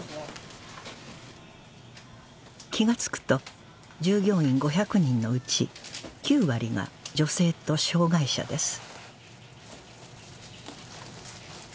気が付くと従業員５００人のうち９割が女性と障害者です